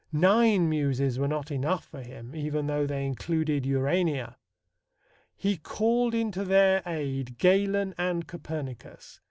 Nine Muses were not enough for him, even though they included Urania. He called in to their aid Galen and Copernicus.